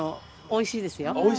おいしいですか？